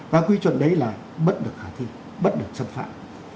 và quy chuẩn đấy là bất được khả thi bất được xâm phạm